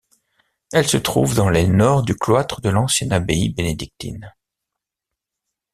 Elle se trouve dans l'aile nord du cloître de l'ancienne abbaye bénédictine.